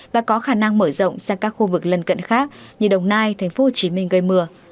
và có khả năng mở rộng sang các khu vực lân cận khác như đồng nai tp hcm gây mưa